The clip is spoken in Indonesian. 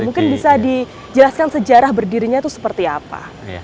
mungkin bisa dijelaskan sejarah berdirinya itu seperti apa